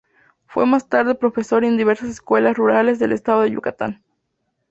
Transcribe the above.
Fue más tarde profesor en diversas escuelas rurales del estado de Yucatán.